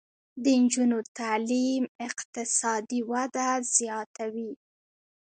د نجونو تعلیم اقتصادي وده زیاتوي.